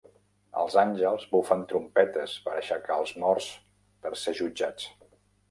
Els àngels bufen trompetes per aixecar els morts per ser jutjats.